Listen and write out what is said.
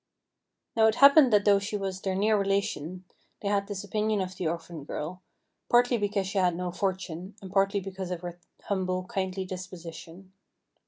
Now it happened that though she was their near relation, they had this opinion of the orphan girl, partly because she had no fortune, and partly because of her humble, kindly disposition.